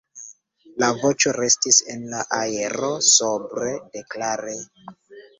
La voĉo restis en la aero sobre, deklare.